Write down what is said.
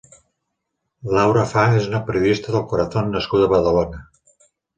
Laura Fa és una periodista del corazón nascuda a Badalona.